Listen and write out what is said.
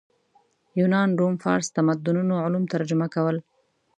یونان روم فارس تمدنونو علوم ترجمه کړل